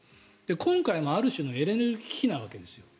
今回もある種のエネルギー危機なわけですよ。